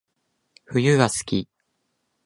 冬が好き